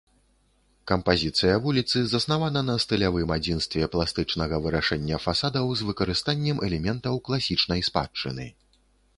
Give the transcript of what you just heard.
Кампазіцыя вуліцы заснавана на стылявым адзінстве пластычнага вырашэння фасадаў з выкарыстаннем элементаў класічнай спадчыны.